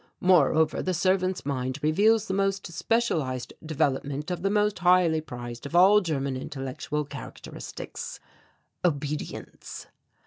Moreover, the servant's mind reveals the most specialized development of the most highly prized of all German intellectual characteristics obedience.